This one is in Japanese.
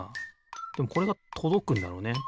でもこれがとどくんだろうね。